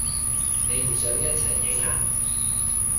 你唔想一齊影啊？